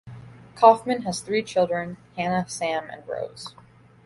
Kauffman has three children: Hannah, Sam and Rose.